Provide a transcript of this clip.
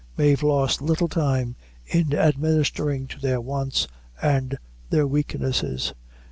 Mave lost little time in administering to their wants and their weaknesses.